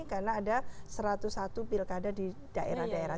karena ada satu ratus satu pilkada di daerah daerah